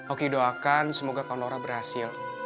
oki doakan semoga kak nora berhasil